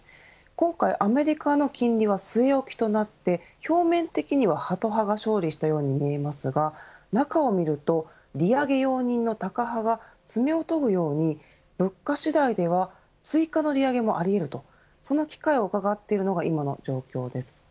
今回、アメリカの金利は据え置きとなって表面的には、ハト派が勝利したように見えますが中を見ると利上げ容認のタカ派が爪を研ぐように物価次第では追加の利上げもあり得るとその機会をうかがっているのが今の状況です。